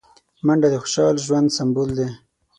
منډه د خوشحال ژوند سمبول دی